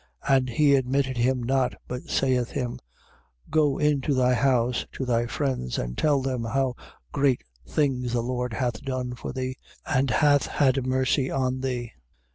5:19. And he admitted him not, but saith him: Go into thy house to thy friends, and tell them how great things the Lord hath done for thee, and hath had mercy thee.